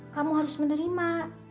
kamu harus menerima